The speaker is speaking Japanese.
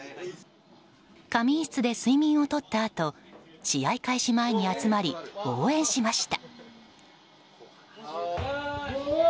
仮眠室で睡眠をとったあと試合開始前に集まり応援しました。